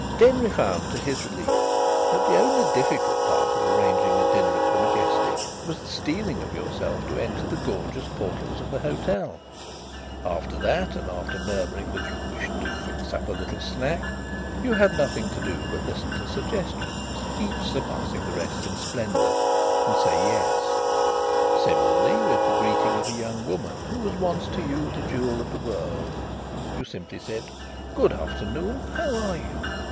Denry found to his relief that the only difficult part of arranging a dinner at the Majestic was the steeling of yourself to enter the gorgeous portals of the hotel. After that, and after murmuring that you wished to fix up a little snack, you had nothing to do but listen to suggestions, each surpassing the rest in splendour, and say "Yes." Similarly with the greeting of a young woman who was once to you the jewel of the world. You simply said, "Good afternoon, how are you?"